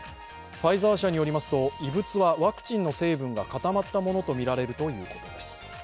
ファイザー社によりますと異物は、ワクチンの成分が固まったものとみられるということです。